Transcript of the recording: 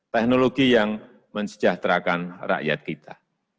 teknologi yang mensejahterakan rakyat kita